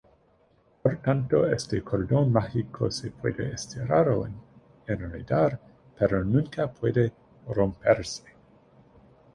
Por tanto, este cordón mágico se puede estirar o enredar, pero nunca puede romperse.